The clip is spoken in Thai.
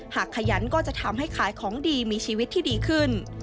ขยันก็จะทำให้ขายของดีมีชีวิตที่ดีขึ้น